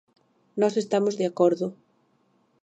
Nós estamos de acordo.